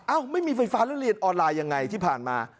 ไม่มีไฟฟ้าแล้วเรียนออนไลน์ยังไงที่ผ่านมา